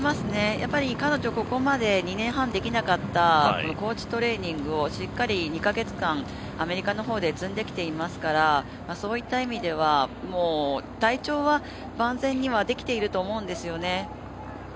彼女、ここまで２年半できなかった高地トレーニングをしっかり２カ月間アメリカの方で積んできていますからそういった意味では、体調は万全にはできていると思うんですよね。